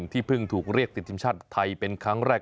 ที่เพิ่งถูกเรียกติดทีมชาติไทยเป็นครั้งแรก